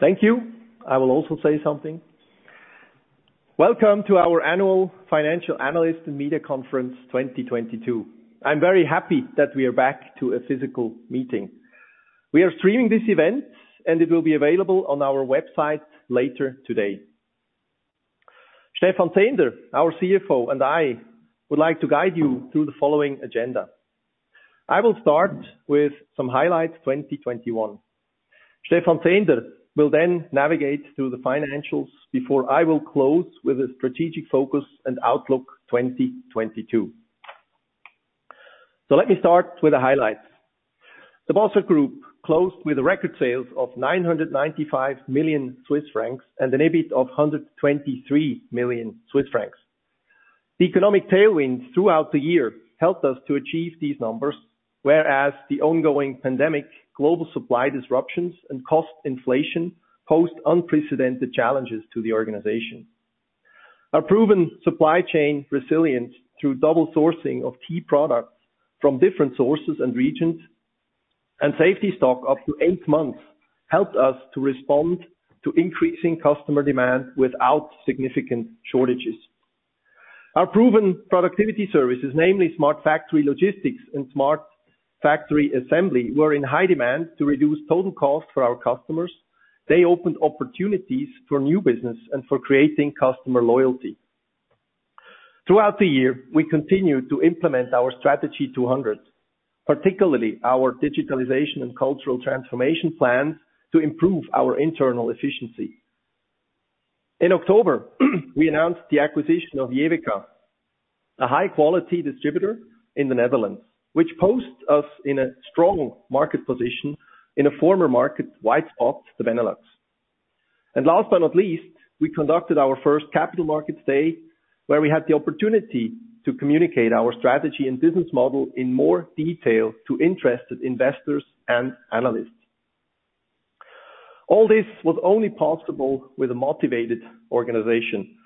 Thank you. I will also say something. Welcome to our annual Financial Analyst and Media Conference 2022. I'm very happy that we are back to a physical meeting. We are streaming this event, and it will be available on our website later today. Stephan Zehnder, our CFO, and I would like to guide you through the following agenda. I will start with some highlights 2021. Stephan Zehnder will then navigate through the financials before I will close with a strategic focus and outlook 2022. Let me start with the highlights. The Bossard Group closed with record sales of 995 million Swiss francs and an EBIT of 123 million Swiss francs. The economic tailwinds throughout the year helped us to achieve these numbers, whereas the ongoing pandemic, global supply disruptions, and cost inflation posed unprecedented challenges to the organization. Our proven supply chain resilience through dual sourcing of key products from different sources and regions, and safety stock up to eight months, helped us to respond to increasing customer demand without significant shortages. Our proven productivity services, namely Smart Factory Logistics and Smart Factory Assembly, were in high demand to reduce total cost for our customers. They opened opportunities for new business and for creating customer loyalty. Throughout the year, we continued to implement our Strategy 200, particularly our digitalization and cultural transformation plans to improve our internal efficiency. In October, we announced the acquisition of Jeveka, a high-quality distributor in the Netherlands, which positions us in a strong market position in a fragmented market in the Benelux. Last but not least, we conducted our first Capital Markets Day, where we had the opportunity to communicate our strategy and business model in more detail to interested investors and analysts. All this was only possible with a motivated organization.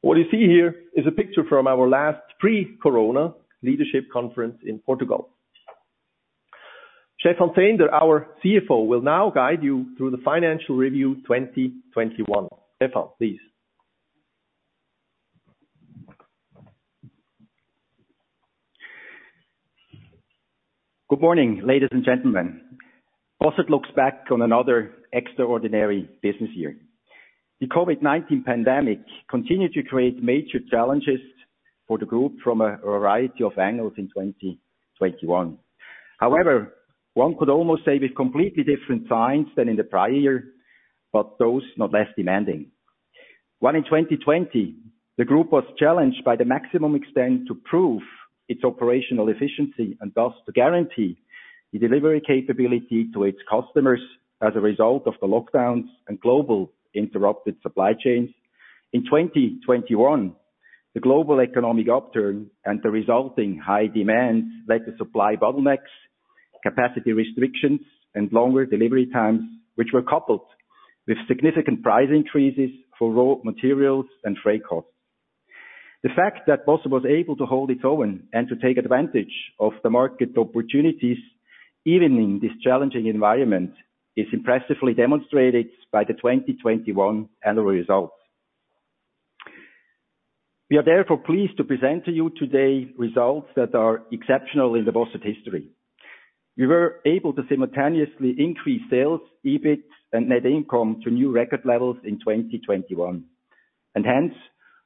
What you see here is a picture from our last pre-corona leadership conference in Portugal. Stephan Zehnder, our CFO, will now guide you through the financial review 2021. Stephan, please. Good morning, ladies and gentlemen. Bossard looks back on another extraordinary business year. The COVID-19 pandemic continued to create major challenges for the group from a variety of angles in 2021. However, one could almost say with completely different signs than in the prior year, but those not less demanding. In 2020, the group was challenged by the maximum extent to prove its operational efficiency and thus to guarantee the delivery capability to its customers as a result of the lockdowns and global interrupted supply chains. In 2021, the global economic upturn and the resulting high demands led to supply bottlenecks, capacity restrictions, and longer delivery times, which were coupled with significant price increases for raw materials and freight costs. The fact that Bossard was able to hold its own and to take advantage of the market opportunities, even in this challenging environment, is impressively demonstrated by the 2021 annual results. We are therefore pleased to present to you today results that are exceptional in the Bossard history. We were able to simultaneously increase sales, EBIT and net income to new record levels in 2021. Hence,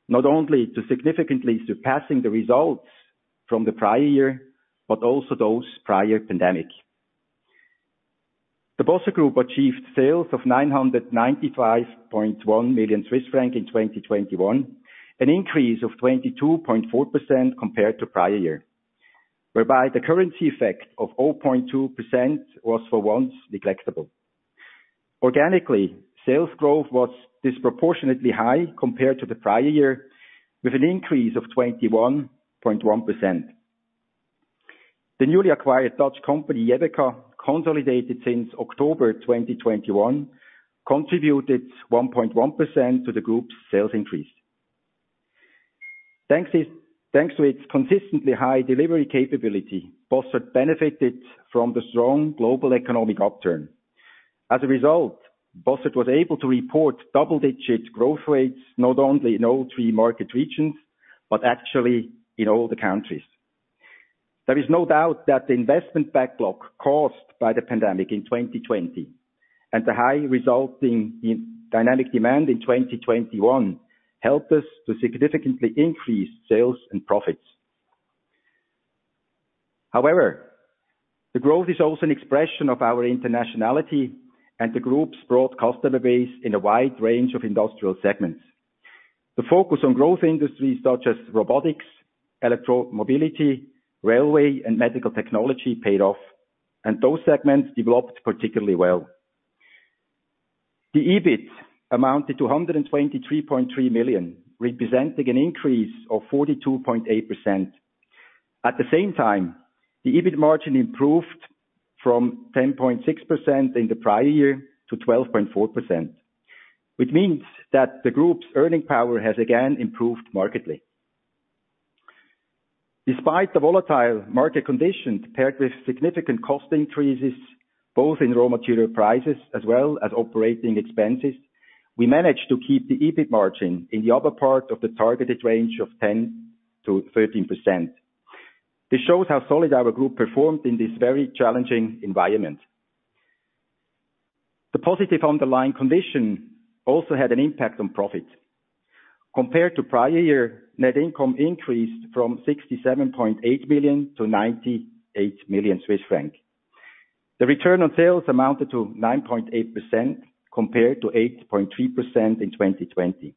not only significantly surpassing the results from the prior year, but also those pre-pandemic. The Bossard Group achieved sales of 995.1 million Swiss francs in 2021, an increase of 22.4% compared to prior year. The currency effect of 0.2% was for once negligible. Organically, sales growth was disproportionately high compared to the prior year, with an increase of 21.1%. The newly acquired Dutch company, Jeveka, consolidated since October 2021, contributed 1.1% to the group's sales increase. Thanks to its consistently high delivery capability, Bossard benefited from the strong global economic upturn. As a result, Bossard was able to report double-digit growth rates, not only in all three market regions, but actually in all the countries. There is no doubt that the investment backlog caused by the pandemic in 2020, and the resulting high dynamic demand in 2021 helped us to significantly increase sales and profits. However, the growth is also an expression of our internationality and the group's broad customer base in a wide range of industrial segments. The focus on growth industries such as robotics, electromobility, railway, and medical technology paid off, and those segments developed particularly well. The EBIT amounted to 123.3 million, representing an increase of 42.8%. At the same time, the EBIT margin improved from 10.6% in the prior year to 12.4%, which means that the group's earning power has again improved markedly. Despite the volatile market conditions paired with significant cost increases, both in raw material prices as well as operating expenses, we managed to keep the EBIT margin in the upper part of the targeted range of 10%-13%. This shows how solid our group performed in this very challenging environment. The positive underlying condition also had an impact on profit. Compared to prior year, net income increased from 67.8 million-98 million Swiss francs. The return on sales amounted to 9.8% compared to 8.3% in 2020.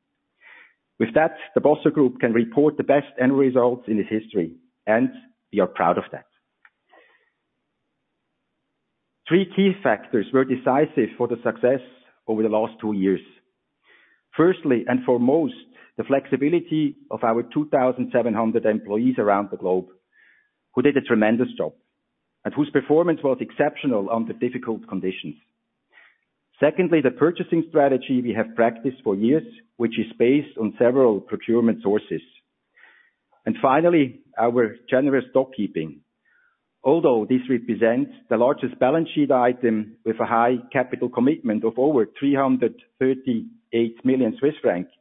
With that, the Bossard Group can report the best end results in its history, and we are proud of that. Three key factors were decisive for the success over the last two years. Firstly, and foremost, the flexibility of our 2,700 employees around the globe who did a tremendous job, and whose performance was exceptional under difficult conditions. Secondly, the purchasing strategy we have practiced for years, which is based on several procurement sources. Finally, our generous stock keeping. Although this represents the largest balance sheet item with a high capital commitment of over 338 million Swiss francs,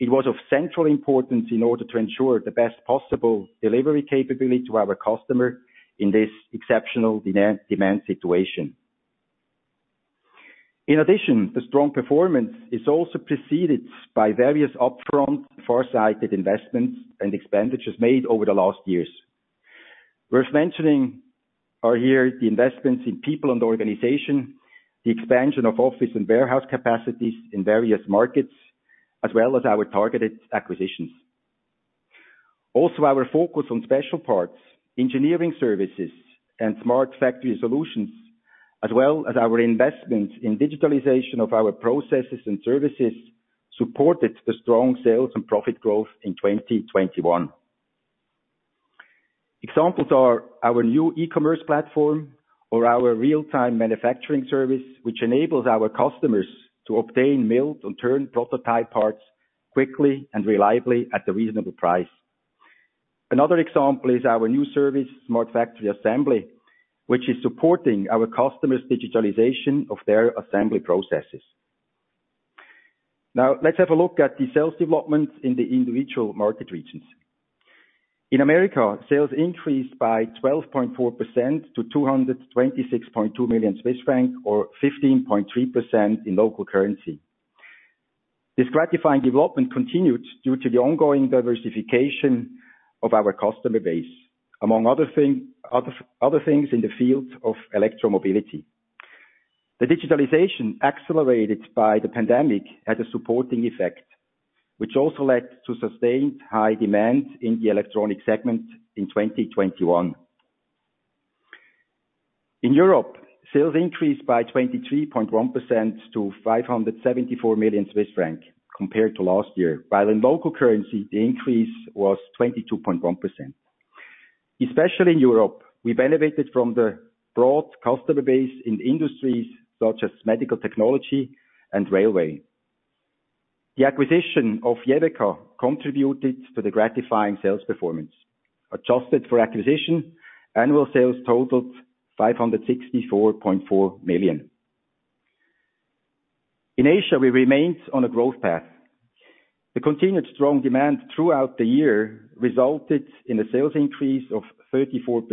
it was of central importance in order to ensure the best possible delivery capability to our customer in this exceptional demand situation. In addition, the strong performance is also preceded by various upfront, farsighted investments and expenditures made over the last years. Worth mentioning are here the investments in people and the organization, the expansion of office and warehouse capacities in various markets, as well as our targeted acquisitions. Our focus on special parts, engineering services, and smart factory solutions, as well as our investment in digitalization of our processes and services, supported the strong sales and profit growth in 2021. Examples are our new Bossard eShop or our real-time manufacturing service, which enables our customers to obtain milled and turned prototype parts quickly and reliably at a reasonable price. Another example is our new service, Smart Factory Assembly, which is supporting our customers' digitalization of their assembly processes. Now, let's have a look at the sales developments in the individual market regions. In America, sales increased by 12.4% to 226.2 million Swiss francs, or 15.3% in local currency. This gratifying development continued due to the ongoing diversification of our customer base, among other things in the field of electromobility. The digitalization accelerated by the pandemic had a supporting effect, which also led to sustained high demand in the electronic segment in 2021. In Europe, sales increased by 23.1% to 574 million Swiss francs compared to last year. While in local currency, the increase was 22.1%. Especially in Europe, we benefited from the broad customer base in industries such as medical technology and railway. The acquisition of Jeveka contributed to the gratifying sales performance. Adjusted for acquisition, annual sales totaled 564.4 million. In Asia, we remained on a growth path. The continued strong demand throughout the year resulted in a sales increase of 34%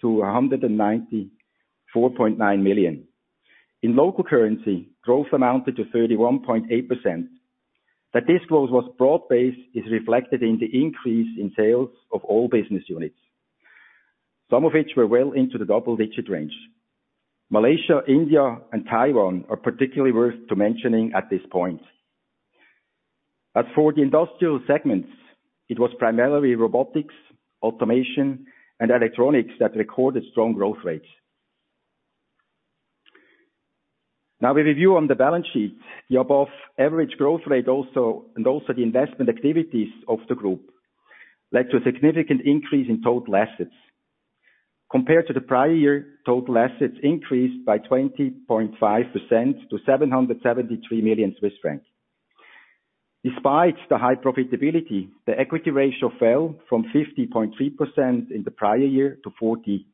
to 194.9 million. In local currency, growth amounted to 31.8%. This growth was broad-based is reflected in the increase in sales of all business units, some of which were well into the double-digit range. Malaysia, India, and Taiwan are particularly worth mentioning at this point. As for the industrial segments, it was primarily robotics, automation, and electronics that recorded strong growth rates. Now we review on the balance sheet, the above average growth rate and the investment activities of the group led to a significant increase in total assets. Compared to the prior year, total assets increased by 20.5% to 773 million Swiss francs. Despite the high profitability, the equity ratio fell from 50.3% in the prior year to 45.2%.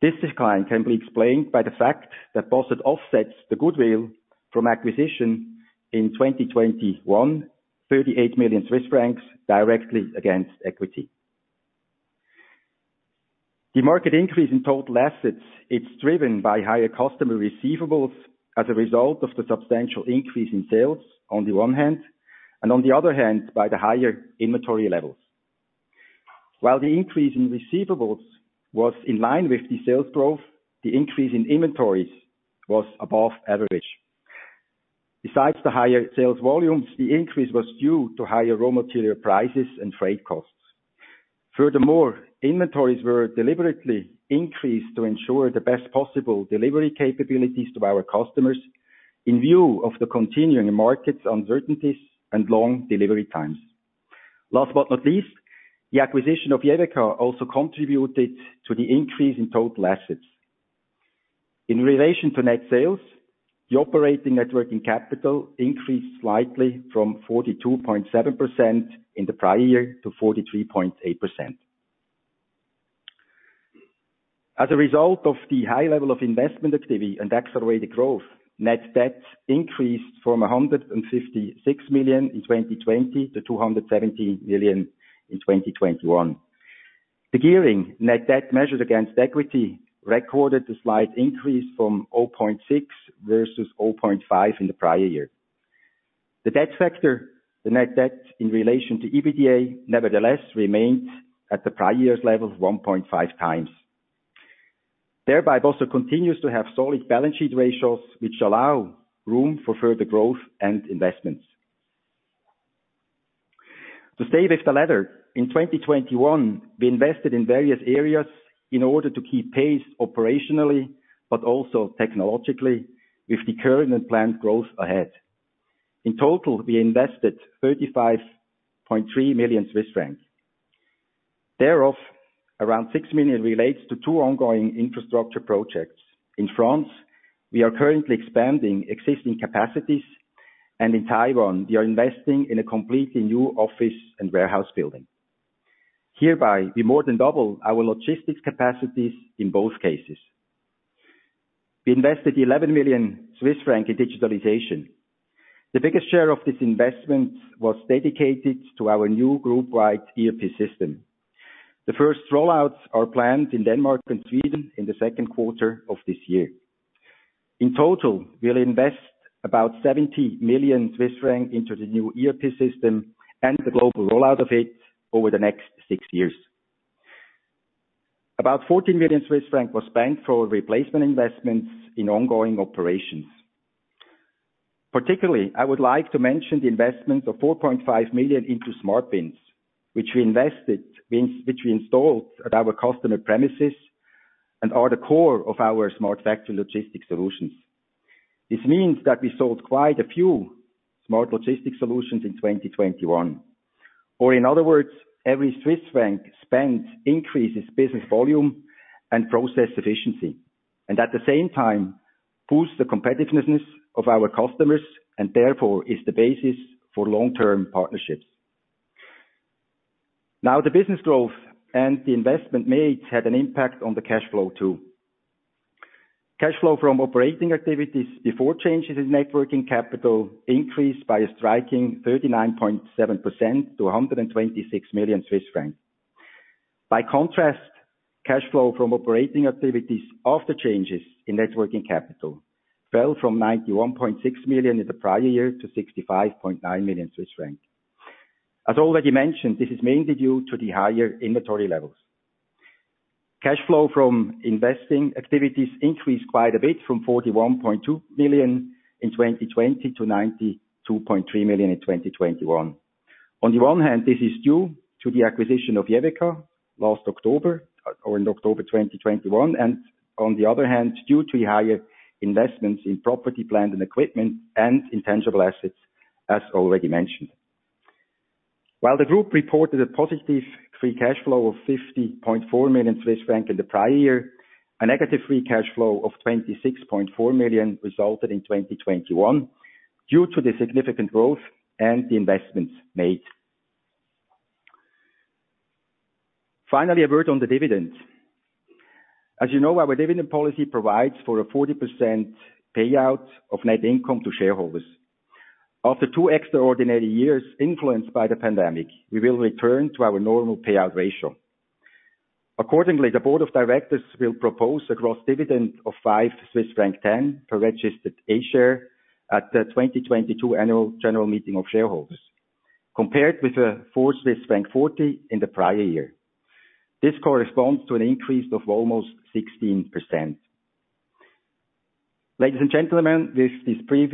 This decline can be explained by the fact that Bossard offsets the goodwill from acquisition in 2021, 38 million Swiss francs directly against equity. The marked increase in total assets is driven by higher customer receivables as a result of the substantial increase in sales on the one hand, and on the other hand, by the higher inventory levels. While the increase in receivables was in line with the sales growth, the increase in inventories was above average. Besides the higher sales volumes, the increase was due to higher raw material prices and freight costs. Furthermore, inventories were deliberately increased to ensure the best possible delivery capabilities to our customers in view of the continuing market uncertainties and long delivery times. Last but not least, the acquisition of Jeveka also contributed to the increase in total assets. In relation to net sales, the net working capital increased slightly from 42.7% in the prior year to 43.8%. As a result of the high level of investment activity and accelerated growth, net debt increased from 156 million in 2020 to 217 million in 2021. The gearing net debt measured against equity recorded a slight increase from 0.6 versus 0.5 in the prior year. The debt factor, the net debt in relation to EBITDA, nevertheless remained at the prior year's level of 1.5x. Thereby, Bossard continues to have solid balance sheet ratios which allow room for further growth and investments. To stay with the latter, in 2021, we invested in various areas in order to keep pace operationally but also technologically with the current and planned growth ahead. In total, we invested 35.3 million Swiss francs. Thereof, around 6 million relates to two ongoing infrastructure projects. In France, we are currently expanding existing capacities, and in Taiwan, we are investing in a completely new office and warehouse building. Hereby, we more than double our logistics capacities in both cases. We invested 11 million Swiss francs in digitalization. The biggest share of this investment was dedicated to our new group-wide ERP system. The first rollouts are planned in Denmark and Sweden in the second quarter of this year. In total, we'll invest about 70 million Swiss francs into the new ERP system and the global rollout of it over the next six years. About 14 million Swiss francs was spent for replacement investments in ongoing operations. Particularly, I would like to mention the investment of 4.5 million into SmartBins, which we installed at our customer premises and are the core of our Smart Factory Logistics solutions. This means that we sold quite a few Smart Logistics solutions in 2021, or in other words, every Swiss franc spent increases business volume and process efficiency, and at the same time boosts the competitiveness of our customers and therefore is the basis for long-term partnerships. Now the business growth and the investment made had an impact on the cash flow too. Cash flow from operating activities before changes in net working capital increased by a striking 39.7% to 126 million Swiss francs. By contrast, cash flow from operating activities after changes in net working capital fell from 91.6 million in the prior year to 65.9 million Swiss francs. As already mentioned, this is mainly due to the higher inventory levels. Cash flow from investing activities increased quite a bit from 41.2 million in 2020 to 92.3 million in 2021. On the one hand, this is due to the acquisition of Jeveka last October, or in October 2021, and on the other hand, due to higher investments in property, plant and equipment and intangible assets as already mentioned. While the group reported a positive free cash flow of 50.4 million Swiss francs in the prior year, a negative free cash flow of 26.4 million resulted in 2021 due to the significant growth and the investments made. Finally, a word on the dividend. As you know, our dividend policy provides for a 40% payout of net income to shareholders. After two extraordinary years influenced by the pandemic, we will return to our normal payout ratio. Accordingly, the board of directors will propose a gross dividend of 5.10 Swiss franc per registered A share at the 2020 annual general meeting of shareholders compared with the Swiss franc 4.40 in the prior year. This corresponds to an increase of almost 16%. Ladies and gentlemen, with this brief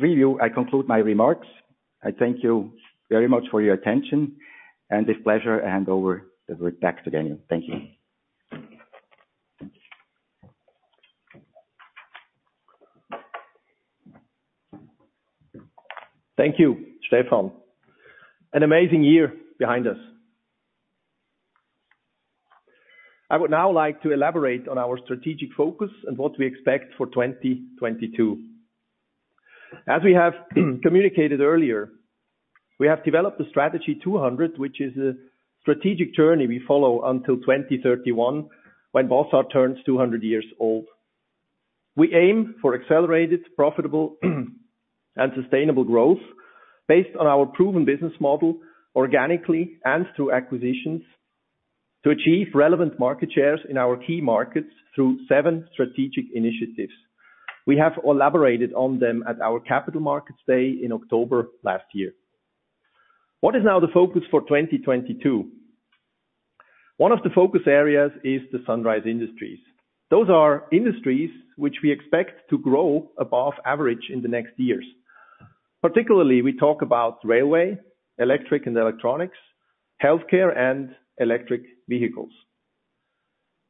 review, I conclude my remarks. I thank you very much for your attention, and with pleasure I hand over the word back to Daniel. Thank you. Thank you, Stephan. An amazing year behind us. I would now like to elaborate on our strategic focus and what we expect for 2022. We have communicated earlier, we have developed the Strategy 200, which is a strategic journey we follow until 2031 when Bossard turns 200 years old. We aim for accelerated, profitable and sustainable growth based on our proven business model organically and through acquisitions to achieve relevant market shares in our key markets through seven strategic initiatives. We have elaborated on them at our Capital Markets Day in October last year. What is now the focus for 2022? One of the focus areas is the Sunrise Industries. Those are industries which we expect to grow above average in the next years. Particularly, we talk about railway, electric and electronics, healthcare, and electric vehicles.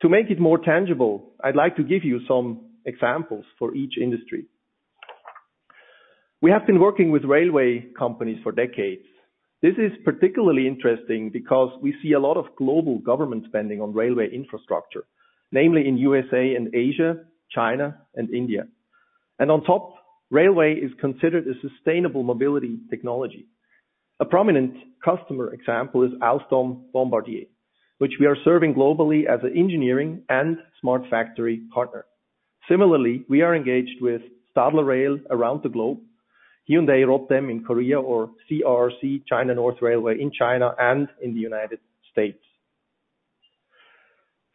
To make it more tangible, I'd like to give you some examples for each industry. We have been working with railway companies for decades. This is particularly interesting because we see a lot of global government spending on railway infrastructure, namely in U.S. and Asia, China and India. On top, railway is considered a sustainable mobility technology. A prominent customer example is Alstom Bombardier, which we are serving globally as an engineering and Smart Factory partner. Similarly, we are engaged with Stadler Rail around the globe, Hyundai Rotem in Korea or CRRC China North Railway in China and in the United States.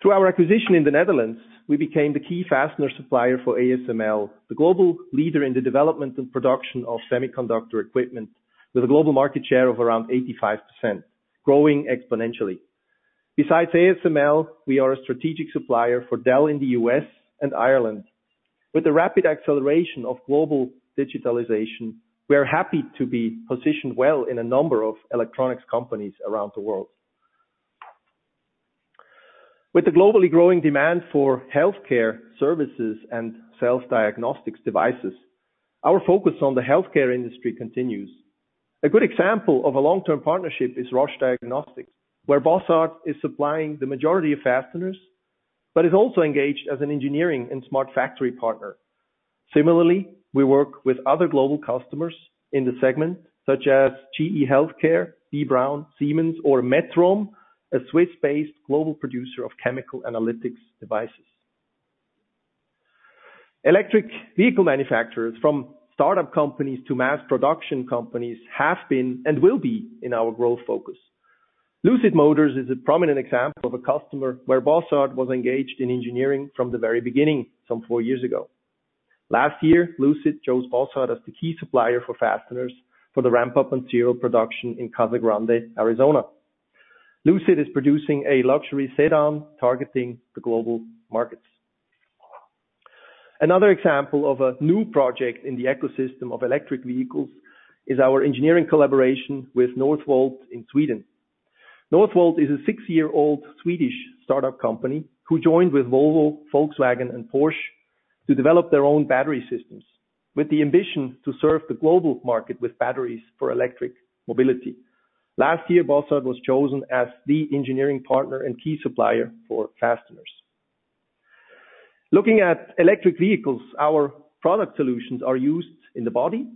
Through our acquisition in the Netherlands, we became the key fastener supplier for ASML, the global leader in the development and production of semiconductor equipment, with a global market share of around 85%, growing exponentially. Besides ASML, we are a strategic supplier for Dell in the U.S. and Ireland. With the rapid acceleration of global digitalization, we are happy to be positioned well in a number of electronics companies around the world. With the globally growing demand for healthcare services and self-diagnostics devices, our focus on the healthcare industry continues. A good example of a long-term partnership is Roche Diagnostics, where Bossard is supplying the majority of fasteners, but is also engaged as an engineering and smart factory partner. Similarly, we work with other global customers in the segment, such as GE HealthCare, B. Braun, Siemens, or Metrohm, a Swiss-based global producer of chemical analysis devices. Electric vehicle manufacturers from start-up companies to mass production companies have been and will be in our growth focus. Lucid Motors is a prominent example of a customer where Bossard was engaged in engineering from the very beginning, some four years ago. Last year, Lucid chose Bossard as the key supplier for fasteners for the ramp-up and serial production in Casa Grande, Arizona. Lucid is producing a luxury sedan targeting the global markets. Another example of a new project in the ecosystem of electric vehicles is our engineering collaboration with Northvolt in Sweden. Northvolt is a six-year-old Swedish start-up company who joined with Volvo, Volkswagen and Porsche to develop their own battery systems with the ambition to serve the global market with batteries for electric mobility. Last year, Bossard was chosen as the engineering partner and key supplier for fasteners. Looking at electric vehicles, our product solutions are used in the body,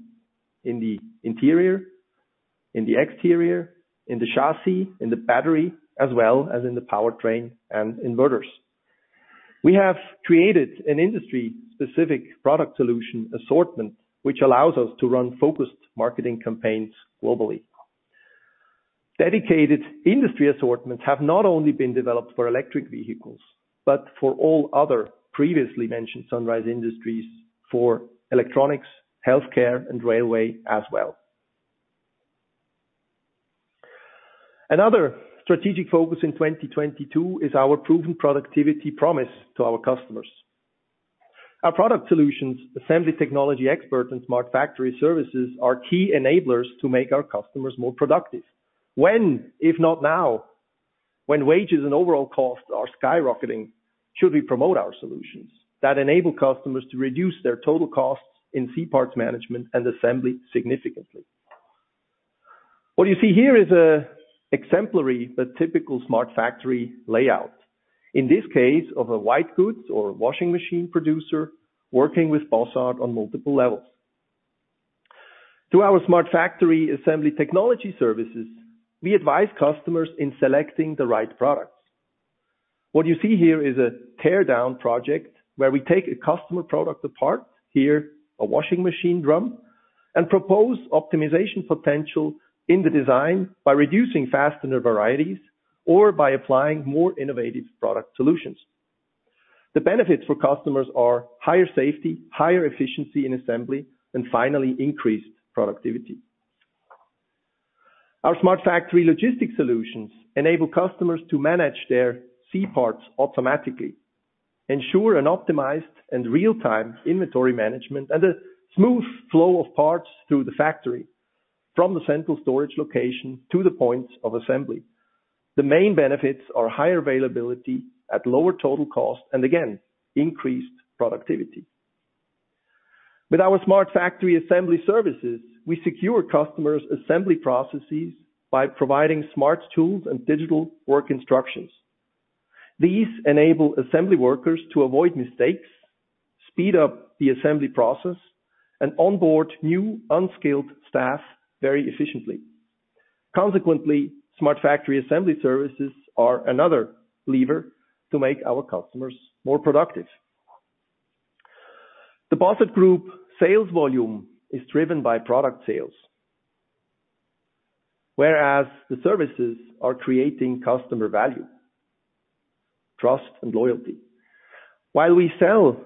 in the interior, in the exterior, in the chassis, in the battery, as well as in the powertrain and inverters. We have created an industry specific product solution assortment, which allows us to run focused marketing campaigns globally. Dedicated industry assortments have not only been developed for electric vehicles, but for all other previously mentioned Sunrise Industries for electronics, healthcare, and railway as well. Another strategic focus in 2022 is our proven productivity promise to our customers. Our product solutions, Assembly Technology Expert, and Smart Factory services are key enablers to make our customers more productive. When, if not now, when wages and overall costs are skyrocketing, should we promote our solutions that enable customers to reduce their total costs in C-parts management and assembly significantly? What you see here is exemplary but typical smart factory layout. In this case, a white goods or washing machine producer working with Bossard on multiple levels. Through our Smart Factory Assembly technology services, we advise customers in selecting the right products. What you see here is a tear down project where we take a customer product apart, here a washing machine drum, and propose optimization potential in the design by reducing fastener varieties or by applying more innovative product solutions. The benefits for customers are higher safety, higher efficiency in assembly, and finally increased productivity. Our Smart Factory Logistics solutions enable customers to manage their C-parts automatically, ensure an optimized and real-time inventory management and a smooth flow of parts through the factory from the central storage location to the points of assembly. The main benefits are higher availability at lower total cost and again, increased productivity. With our Smart Factory Assembly services, we secure customers' assembly processes by providing smart tools and digital work instructions. These enable assembly workers to avoid mistakes, speed up the assembly process, and onboard new unskilled staff very efficiently. Consequently, Smart Factory Assembly services are another lever to make our customers more productive. The Bossard Group sales volume is driven by product sales, whereas the services are creating customer value, trust, and loyalty. While we sell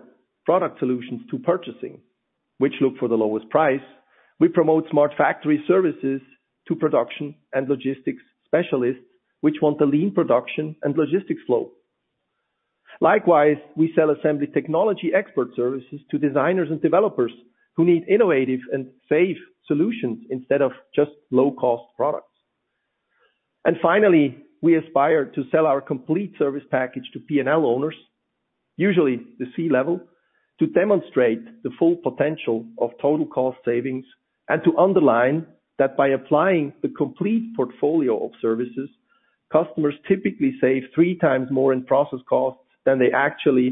product solutions to purchasing, which look for the lowest price, we promote Smart Factory services to production and logistics specialists which want a lean production and logistics flow. Likewise, we sell Assembly Technology Expert services to designers and developers who need innovative and safe solutions instead of just low cost products. Finally, we aspire to sell our complete service package to P&L owners, usually the C-level, to demonstrate the full potential of total cost savings and to underline that by applying the complete portfolio of services, customers typically save 3x more in process costs than they actually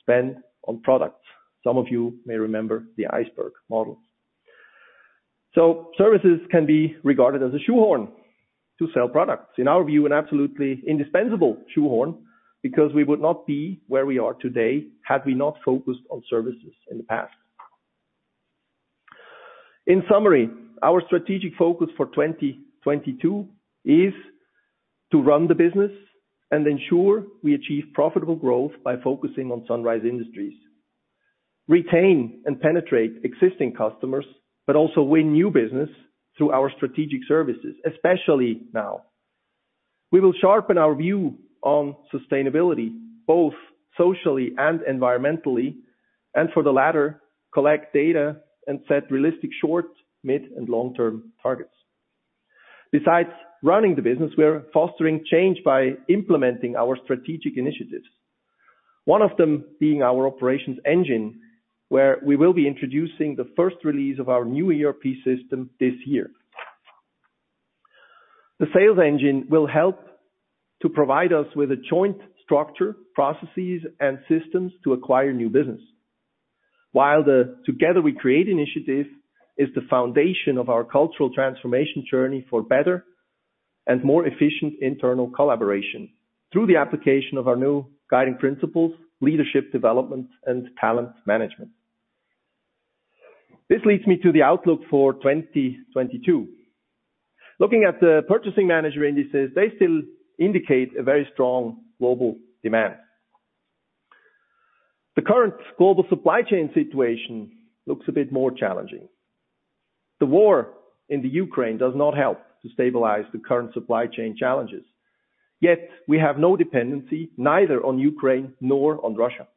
spend on products. Some of you may remember the iceberg model. Services can be regarded as a shoehorn to sell products. In our view, an absolutely indispensable shoehorn, because we would not be where we are today had we not focused on services in the past. In summary, our strategic focus for 2022 is to run the business and ensure we achieve profitable growth by focusing on Sunrise Industries. Retain and penetrate existing customers, but also win new business through our strategic services, especially now. We will sharpen our view on sustainability, both socially and environmentally, and for the latter, collect data and set realistic short, mid, and long-term targets. Besides running the business, we are fostering change by implementing our strategic initiatives. One of them being our Operations Engine, where we will be introducing the first release of our new ERP system this year. The Sales Engine will help to provide us with a joint structure, processes, and systems to acquire new business. While the Together We Create initiative is the foundation of our cultural transformation journey for better and more efficient internal collaboration through the application of our new guiding principles, leadership development, and talent management. This leads me to the outlook for 2022. Looking at the purchasing managers' indices, they still indicate a very strong global demand. The current global supply chain situation looks a bit more challenging. The war in Ukraine does not help to stabilize the current supply chain challenges. Yet we have no dependency, neither on Ukraine nor on Russia.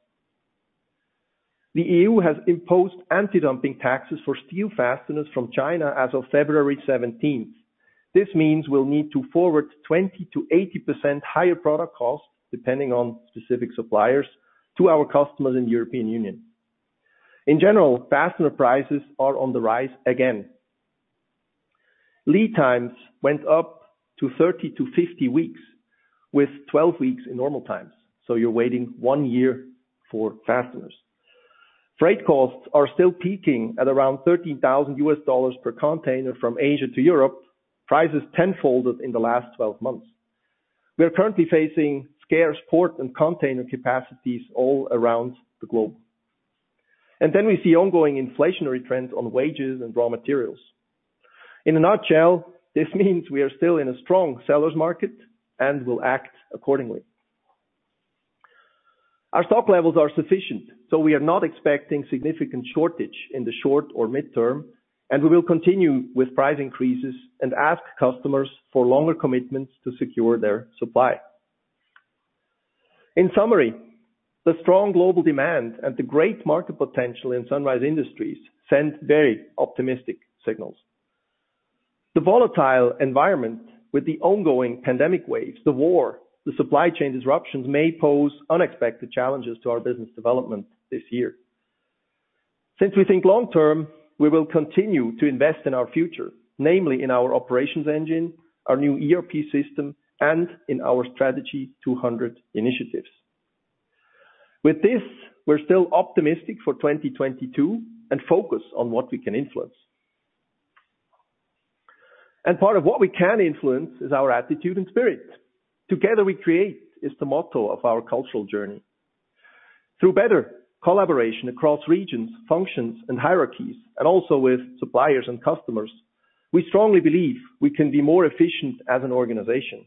The EU has imposed anti-dumping duties for steel fasteners from China as of February 17. This means we'll need to forward 20%-80% higher product costs, depending on specific suppliers to our customers in the European Union. In general, fastener prices are on the rise again. Lead times went up to 30-50 weeks, with 12 weeks in normal times. You're waiting one year for fasteners. Freight costs are still peaking at around $13,000 per container from Asia to Europe. Prices tenfold in the last 12 months. We are currently facing scarce port and container capacities all around the globe. We see ongoing inflationary trends on wages and raw materials. In a nutshell, this means we are still in a strong seller's market and will act accordingly. Our stock levels are sufficient, so we are not expecting significant shortage in the short or mid-term, and we will continue with price increases and ask customers for longer commitments to secure their supply. In summary, the strong global demand and the great market potential in Sunrise Industries send very optimistic signals. The volatile environment with the ongoing pandemic waves, the war, the supply chain disruptions may pose unexpected challenges to our business development this year. Since we think long-term, we will continue to invest in our future, namely in our Operations Engine, our new ERP system, and in our Strategy 200 initiatives. With this, we're still optimistic for 2022 and focused on what we can influence. Part of what we can influence is our attitude and spirit. Together We Create is the motto of our cultural journey. Through better collaboration across regions, functions, and hierarchies, and also with suppliers and customers, we strongly believe we can be more efficient as an organization.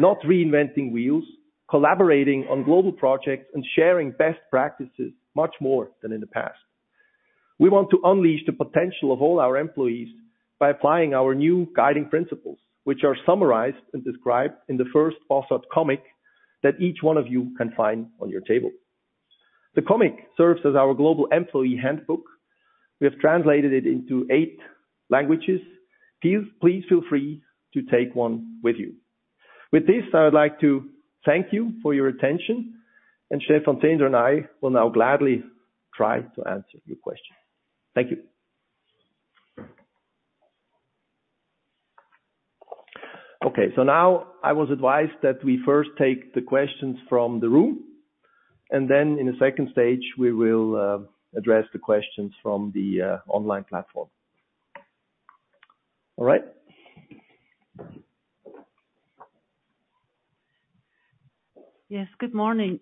Not reinventing wheels, collaborating on global projects, and sharing best practices much more than in the past. We want to unleash the potential of all our employees by applying our new guiding principles, which are summarized and described in the first Bossard comic that each one of you can find on your table. The comic serves as our global employee handbook. We have translated it into eight languages. Please, please feel free to take one with you. With this, I would like to thank you for your attention. Stephan Zehnder and I will now gladly try to answer your questions. Thank you. Okay. Now I was advised that we first take the questions from the room, and then in the second stage, we will address the questions from the online platform. All right. Yes, good morning.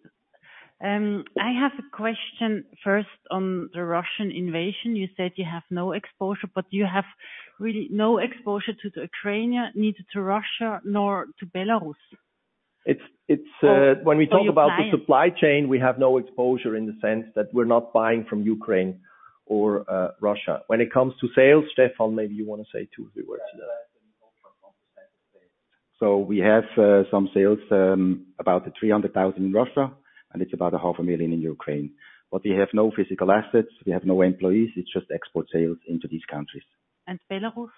I have a question first on the Russian invasion. You said you have no exposure, but you have really no exposure to the Ukraine, neither to Russia nor to Belarus. It's, it's, uh. Ukraine. When we talk about the supply chain, we have no exposure in the sense that we're not buying from Ukraine or Russia. When it comes to sales, Stephan, maybe you wanna say two or three words to that. We have some sales, about 300,000 in Russia. It's about 0.5 million In Ukraine. We have no physical assets. We have no employees. It's just export sales into these countries. Belarus?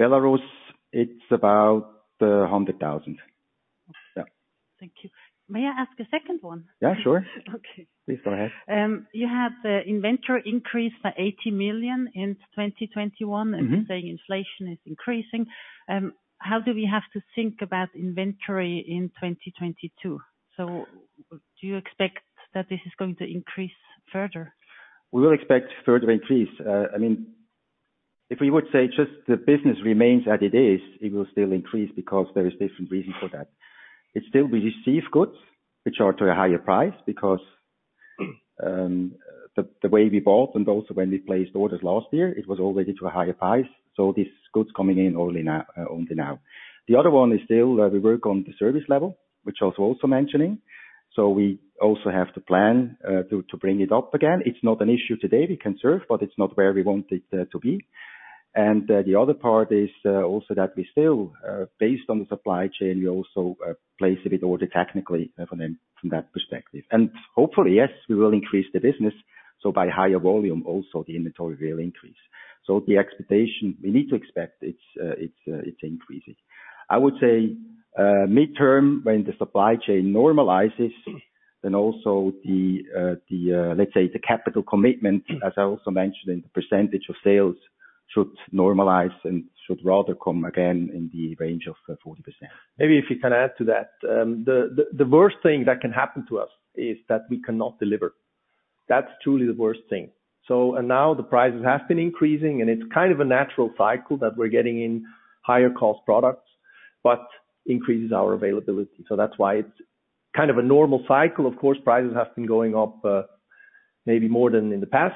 Belarus, it's about 100,000. Yeah. Thank you. May I ask a second one? Yeah, sure. Okay. Please go ahead. You have the inventory increase by 80 million in 2021. Mm-hmm. You're saying inflation is increasing. How do we have to think about inventory in 2022? Do you expect that this is going to increase further? We will expect further increase. I mean, if we would say just the business remains as it is, it will still increase because there is different reason for that. It's still we receive goods which are to a higher price because the way we bought and also when we placed orders last year, it was already to a higher price, these goods coming in only now. The other one is still we work on the service level, which I was also mentioning. We also have to plan to bring it up again. It's not an issue today, we can serve, but it's not where we want it to be. The other part is also that we still, based on the supply chain, we also place big orders technically from them from that perspective. Hopefully, yes, we will increase the business. By higher volume also the inventory will increase. The expectation we need to expect it's increasing. I would say, mid-term when the supply chain normalizes, then also the, let's say, capital commitment, as I also mentioned, in the percentage of sales should normalize and should rather come again in the range of 40%. Maybe if we can add to that. The worst thing that can happen to us is that we cannot deliver. That's truly the worst thing. And now the prices have been increasing, and it's kind of a natural cycle that we're getting in higher cost products, but increases our availability. That's why it's kind of a normal cycle. Of course, prices have been going up, maybe more than in the past,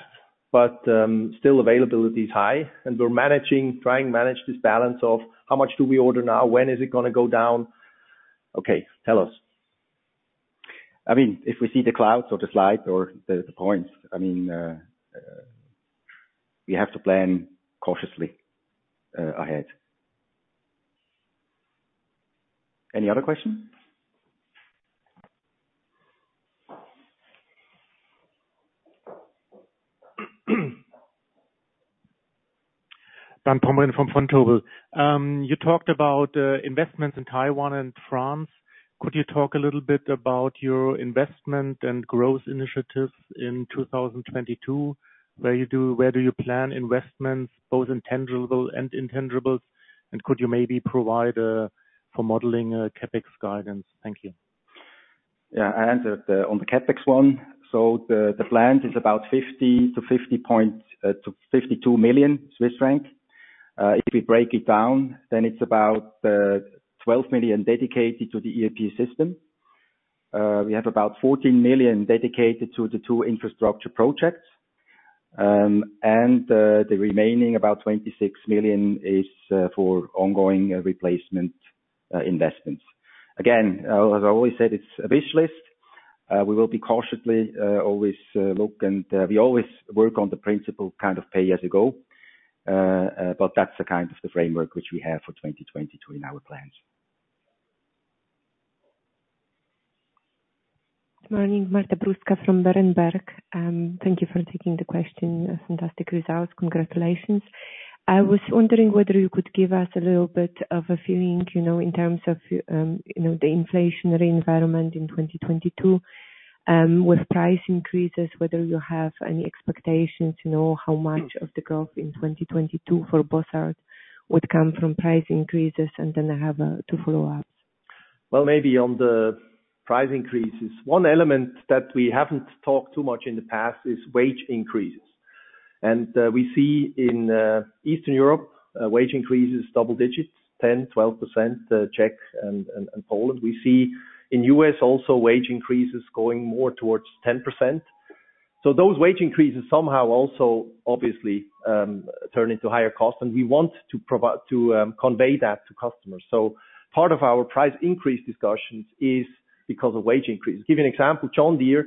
but still availability is high and we're trying to manage this balance of how much do we order now? When is it gonna go down? Okay, tell us. I mean, if we see the clouds or the slide or the points, I mean, we have to plan cautiously ahead. Any other question? Daniel Pomeroy from Vontobel. You talked about investments in Taiwan and France. Could you talk a little bit about your investment and growth initiatives in 2022, where do you plan investments both in tangible and intangibles, and could you maybe provide for modeling CapEx guidance? Thank you. Yeah, I answered on the CapEx one. The plan is about 50 million-52 million Swiss franc. If we break it down, then it's about 12 million dedicated to the ERP system. We have about 14 million dedicated to the two infrastructure projects. The remaining about 26 million is for ongoing replacement investments. Again, as I always said, it's a wish list. We will be cautious. We always look and we always work on the principle kind of pay as you go. But that's the kind of framework which we have for 2022 in our plans. Good morning. Marta Bruska from Berenberg. Thank you for taking the question. Fantastic results. Congratulations. I was wondering whether you could give us a little bit of a feeling, you know, in terms of, you know, the inflationary environment in 2022, with price increases, whether you have any expectations, you know, how much of the growth in 2022 for Bossard would come from price increases. I have two follow-ups. Well, maybe on the price increases. One element that we haven't talked too much in the past is wage increases. We see in Eastern Europe wage increases double-digits, 10%, 12%, Czech and Poland. We see in U.S. also wage increases going more towards 10%. Those wage increases somehow also obviously turn into higher costs. We want to convey that to customers. Part of our price increase discussions is because of wage increase. Give you an example, John Deere,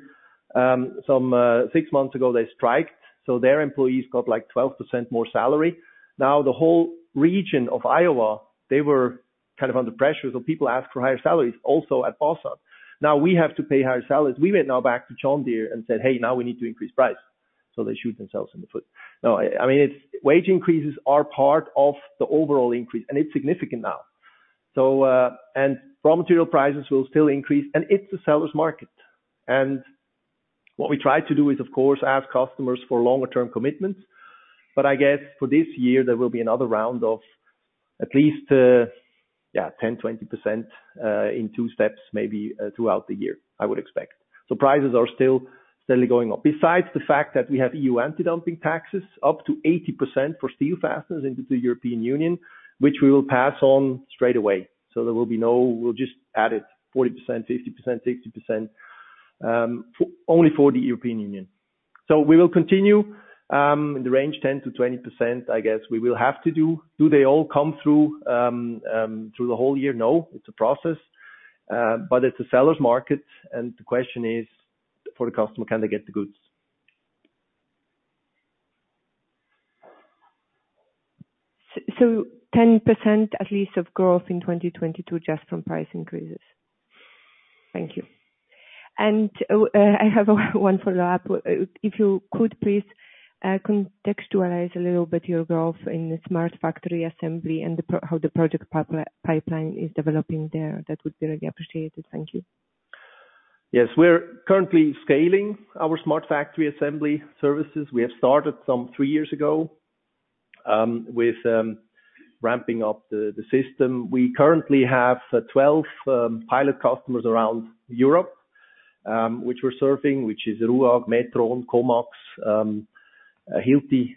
some six months ago, they strike, so their employees got like 12% more salary. Now, the whole region of Iowa, they were kind of under pressure, so people ask for higher salaries also at Bossard. Now we have to pay higher salaries. We went now back to John Deere and said, "Hey, now we need to increase price." They shoot themselves in the foot. No, I mean, it's wage increases are part of the overall increase, and it's significant now. Raw material prices will still increase, and it's a seller's market. What we try to do is of course ask customers for longer-term commitments. I guess for this year there will be another round of at least 10%-20%, in two steps, maybe, throughout the year, I would expect. Prices are still steadily going up. Besides the fact that we have EU anti-dumping taxes up to 80% for steel fasteners into the European Union, which we will pass on straight away. We'll just add it 40%, 50%, 60%, only for the European Union. We will continue in the range 10%-20%, I guess we will have to do. Do they all come through the whole year? No, it's a process. It's a seller's market, and the question is for the customer, can they get the goods? 10% at least of growth in 2022 just from price increases? Thank you. I have one follow-up. If you could please contextualize a little bit your growth in the Smart Factory Assembly and how the project pipeline is developing there. That would be really appreciated. Thank you. Yes. We're currently scaling our Smart Factory Assembly services. We have started some three years ago with ramping up the system. We currently have 12 pilot customers around Europe which we're serving, which is RUAG, Metso, Komax, Hilti.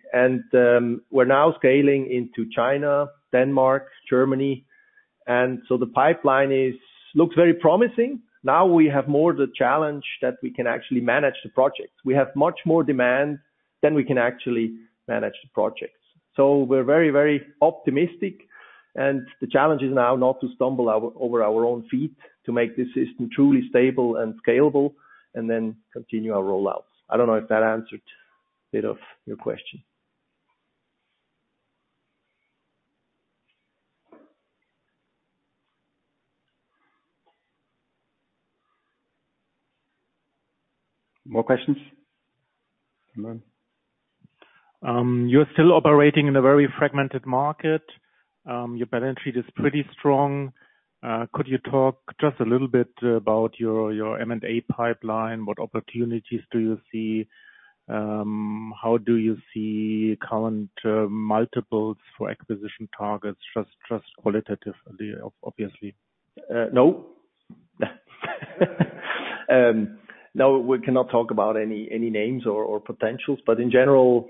We're now scaling into China, Denmark, Germany. The pipeline looks very promising. Now we have more the challenge that we can actually manage the projects. We have much more demand than we can actually manage the projects. We're very, very optimistic, and the challenge is now not to stumble over our own feet to make this system truly stable and scalable and then continue our rollouts. I don't know if that answered a bit of your question. More questions? Come on. You're still operating in a very fragmented market. Your balance sheet is pretty strong. Could you talk just a little bit about your M&A pipeline? What opportunities do you see? How do you see current multiples for acquisition targets? Just qualitatively, obviously. No, we cannot talk about any names or potentials. In general,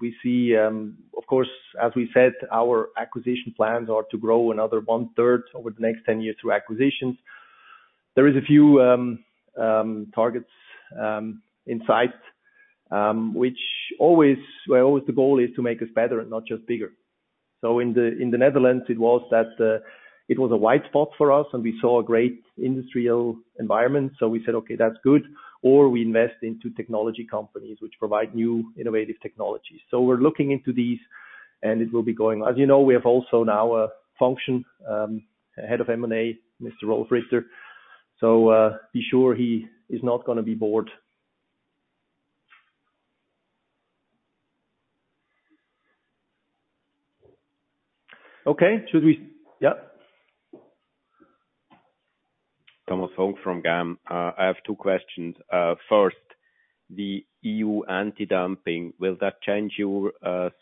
we see, of course, as we said, our acquisition plans are to grow another one-third over the next 10 years through acquisitions. There are a few targets in sight, which always the goal is to make us better and not just bigger. In the Netherlands, it was a white spot for us, and we saw a great industrial environment, so we said, "Okay, that's good." Or we invest into technology companies which provide new innovative technologies. We're looking into these, and it will be going. As you know, we have also now a function, head of M&A, Mr. Rolf Ritter. Be sure he is not gonna be bored. Okay. Should we? Yeah. Thomas Völk from GAM. I have two questions. First, the EU anti-dumping, will that change your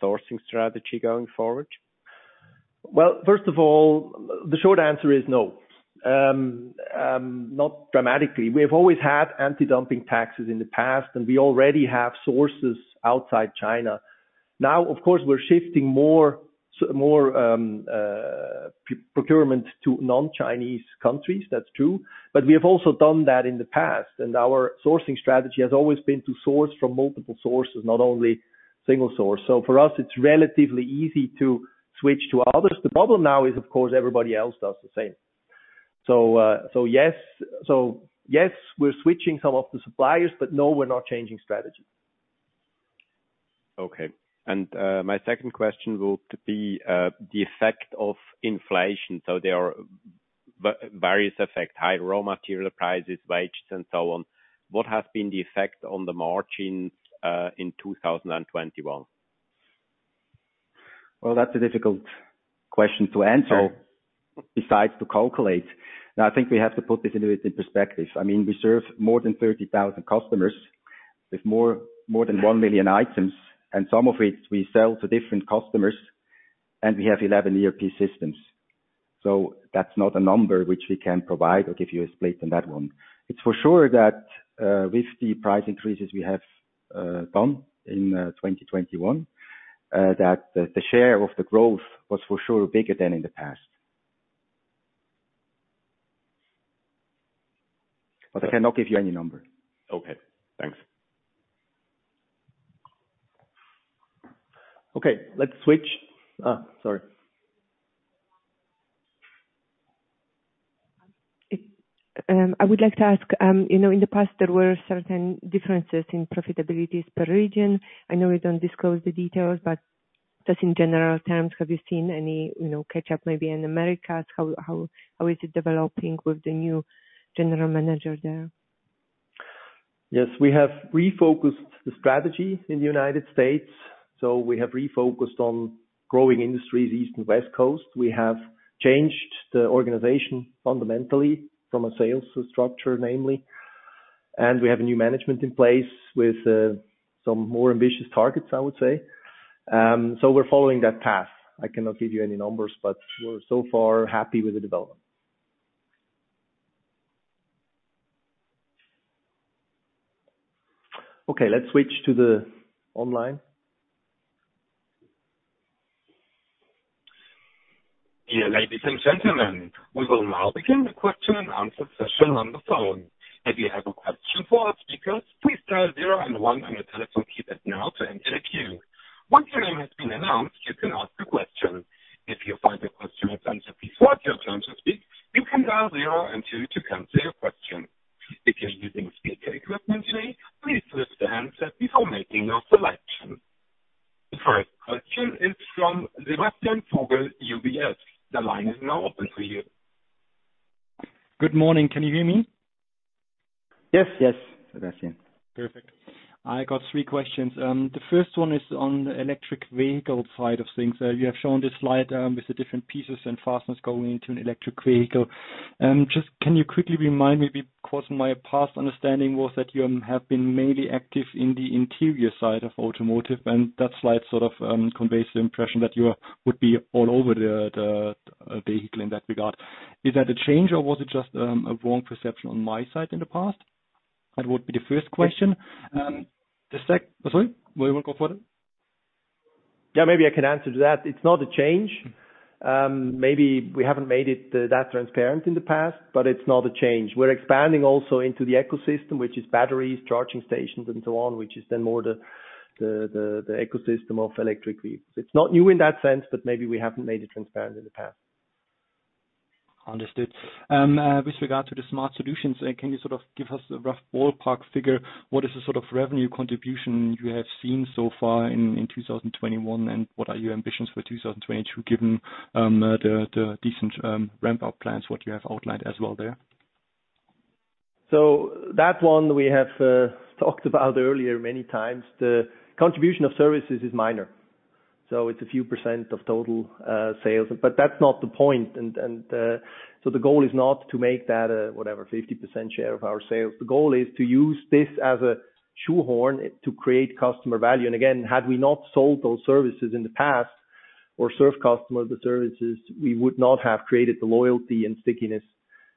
sourcing strategy going forward? Well, first of all, the short answer is no. Not dramatically. We have always had anti-dumping duties in the past, and we already have sources outside China. Now, of course, we're shifting more procurement to non-Chinese countries. That's true. But we have also done that in the past, and our sourcing strategy has always been to source from multiple sources, not only single source. For us, it's relatively easy to switch to others. The problem now is, of course, everybody else does the same. Yes, we're switching some of the suppliers, but no, we're not changing strategy. Okay. My second question would be the effect of inflation. There are various effects, high raw material prices, wages, and so on. What has been the effect on the margins in 2021? Well, that's a difficult question to answer, best to calculate. Now, I think we have to put this into its perspective. I mean, we serve more than 30,000 customers with more than 1 million items, and some of it we sell to different customers, and we have 11 ERP systems. That's not a number which we can provide or give you a split on that one. It's for sure that with the price increases we have done in 2021 that the share of the growth was for sure bigger than in the past. I cannot give you any number. Okay. Thanks. Okay, let's switch. Sorry. I would like to ask, you know, in the past, there were certain differences in profitabilities per region. I know you don't disclose the details, but just in general terms, have you seen any, you know, catch up maybe in Americas? How is it developing with the new general manager there? Yes, we have refocused the strategy in the U.S. We have refocused on growing industries, East and West Coast. We have changed the organization fundamentally from a sales structure namely, and we have a new management in place with, some more ambitious targets, I would say. We're following that path. I cannot give you any numbers, but we're so far happy with the development. Okay, let's switch to the online. Dear ladies and gentlemen, we will now begin the question and answer session on the phone. If you have a question for our speakers, please dial zero and one on your telephone keypad now to enter the queue. Once your name has been announced, you can ask your question. If you find your question has been answered before it's your turn to speak, you can dial zero and two to cancel your question. If you're using speaker equipment today, please lift the handset before making your selection. First question is from Sebastian Vogel, UBS. The line is now open for you. Good morning. Can you hear me? Yes. Yes, Sebastian. Perfect. I got three questions. The first one is on the electric vehicle side of things. You have shown this slide with the different pieces and fasteners going into an electric vehicle. Just can you quickly remind me because my past understanding was that you have been mainly active in the interior side of automotive, and that slide sort of conveys the impression that you would be all over the vehicle in that regard. Is that a change, or was it just a wrong perception on my side in the past? That would be the first question. Sorry, we will go further. Yeah, maybe I can answer to that. It's not a change. Maybe we haven't made it that transparent in the past, but it's not a change. We're expanding also into the ecosystem, which is batteries, charging stations and so on, which is then more the ecosystem of electric vehicles. It's not new in that sense, but maybe we haven't made it transparent in the past. Understood. With regard to the smart solutions, can you sort of give us a rough ballpark figure? What is the sort of revenue contribution you have seen so far in 2021, and what are your ambitions for 2022, given the decent ramp-up plans, what you have outlined as well there? That one we have talked about earlier many times. The contribution of services is minor, it's a few percent of total sales, but that's not the point. The goal is not to make that a whatever 50% share of our sales. The goal is to use this as a shoehorn to create customer value. Again, had we not sold those services in the past or served customers the services, we would not have created the loyalty and stickiness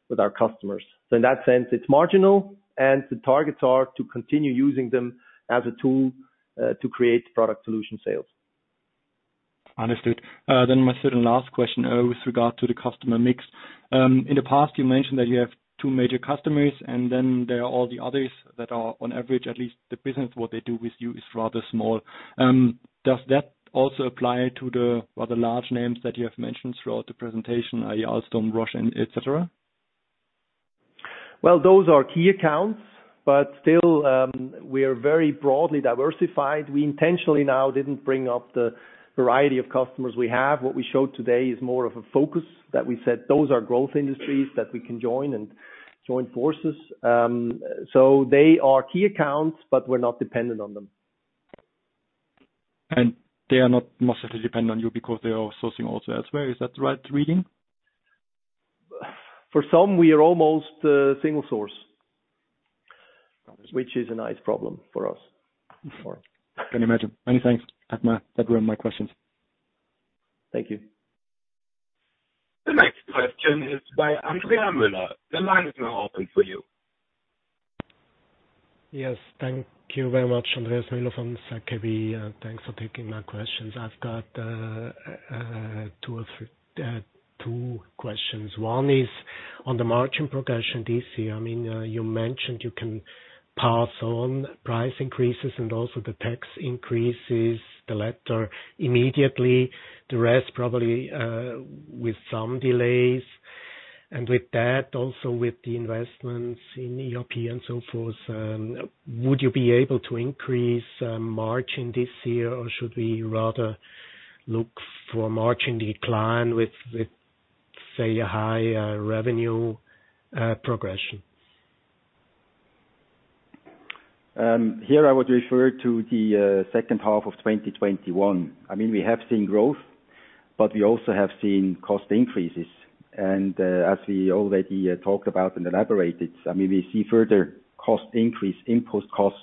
with our customers. In that sense, it's marginal, and the targets are to continue using them as a tool to create product solution sales. Understood. My second last question, with regard to the customer mix. In the past, you mentioned that you have two major customers, and then there are all the others that are on average, at least the business, what they do with you is rather small. Does that also apply to the other large names that you have mentioned throughout the presentation, i.e. Alstom, Roche, et cetera? Well, those are key accounts, but still, we are very broadly diversified. We intentionally now didn't bring up the variety of customers we have. What we showed today is more of a focus that we said those are growth industries that we can join and join forces. They are key accounts, but we're not dependent on them. They are not necessarily dependent on you because they are sourcing also elsewhere. Is that the right reading? For some, we are almost single source. Understood. Which is a nice problem for us. Can imagine. Many thanks, Daniel. Those were my questions. Thank you. The next question is by Andreas Müller. The line is now open for you. Yes, thank you very much. Andreas Müller from ZKB. Thanks for taking my questions. I've got two questions. One is on the margin progression this year. I mean, you mentioned you can pass on price increases and also the tax increases, the latter immediately, the rest probably with some delays. With that, also with the investments in ERP and so forth, would you be able to increase margin this year, or should we rather look for margin decline with, say, a higher revenue progression? Here I would refer to the second half of 2021. I mean, we have seen growth, but we also have seen cost increases. As we already talked about and elaborated, I mean, we see further cost increase, input cost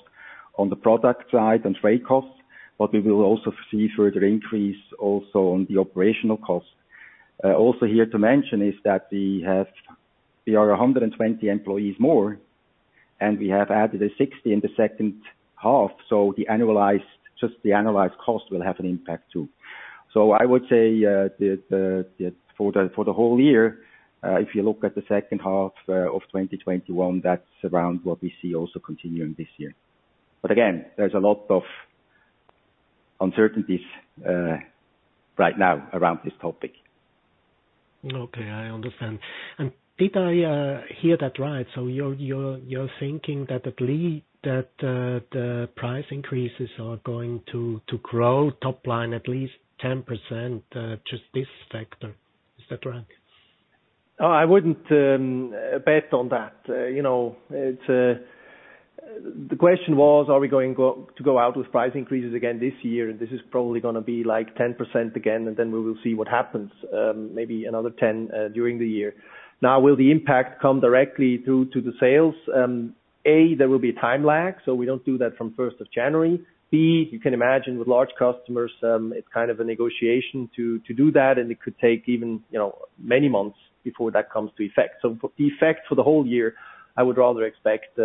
on the product side and freight costs, but we will also see further increase also on the operational costs. Also here to mention is that we are 120 employees more, and we have added 60 in the second half. The annualized cost will have an impact too. I would say, for the whole year, if you look at the second half of 2021, that's around what we see also continuing this year. Again, there's a lot of uncertainties right now around this topic. Okay, I understand. Did I hear that right? You're thinking that at least that, the price increases are going to grow top line at least 10%, just this factor. Is that right? I wouldn't bet on that. You know, it's the question was, are we going to go out with price increases again this year? This is probably gonna be, like, 10% again, and then we will see what happens, maybe another 10 during the year. Now, will the impact come directly through to the sales? A, there will be a time lag, so we don't do that from first of January. B, you can imagine with large customers, it's kind of a negotiation to do that, and it could take even, you know, many months before that comes to effect. The effect for the whole year, I would rather expect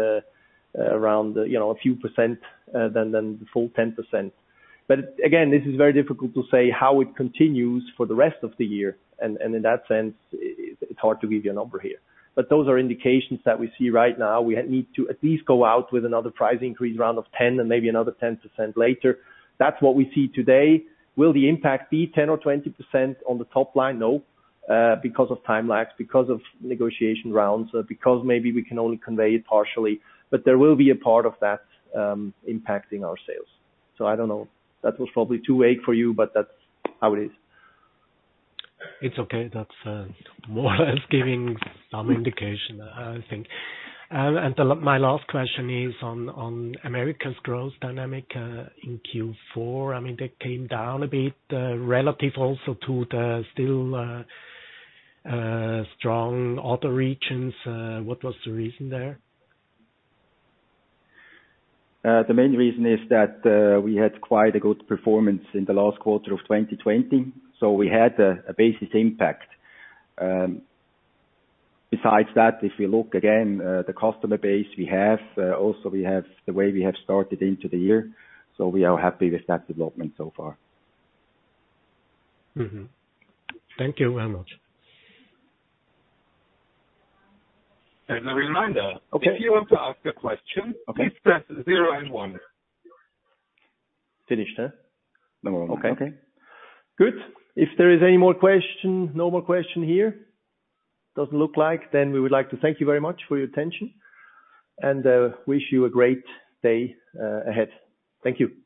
around, you know, a few percent, than the full 10%. Again, this is very difficult to say how it continues for the rest of the year. In that sense, it's hard to give you a number here. Those are indications that we see right now. We need to at least go out with another price increase round of 10 and maybe another 10% later. That's what we see today. Will the impact be 10% or 20% on the top line? No, because of time lags, because of negotiation rounds, because maybe we can only convey it partially. There will be a part of that impacting our sales. I don't know. That was probably too vague for you, but that's how it is. It's okay. That's more or less giving some indication, I think. My last question is on America's growth dynamic in Q4. I mean, that came down a bit, relative also to the still strong other regions. What was the reason there? The main reason is that we had quite a good performance in the last quarter of 2020, so we had a basis impact. Besides that, if you look again, the customer base we have, also we have the way we have started into the year, so we are happy with that development so far. Thank you very much. As a reminder. Okay. If you want to ask a question. Okay. Please press zero and one. Finished, huh? No more. Okay. Good. If there is any more question. No more question here. Doesn't look like. We would like to thank you very much for your attention and wish you a great day ahead. Thank you.